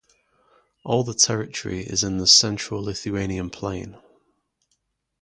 All the territory is in the Central Lithuanian plain.